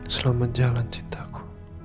selamat jalan cintaku